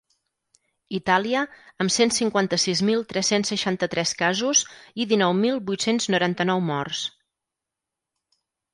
Itàlia, amb cent cinquanta-sis mil tres-cents seixanta-tres casos i dinou mil vuit-cents noranta-nou morts.